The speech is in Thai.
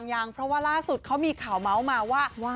ยังเพราะว่าล่าสุดเขามีข่าวเมาส์มาว่า